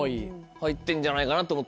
入ってんじゃないかなと思って。